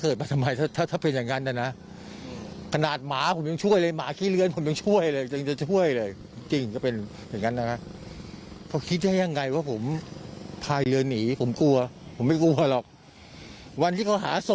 เอาฟังลุงนิดพูดเรื่องนี้อีกรอบหนึ่งเมื่อวานนี้ค่ะ